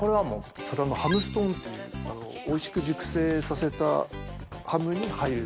それはハムストーンっていうおいしく熟成させたハムに入る。